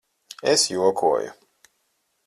Es jokoju.